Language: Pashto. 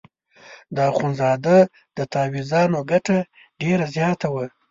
د اخندزاده د تاویزانو ګټه ډېره زیاته وه.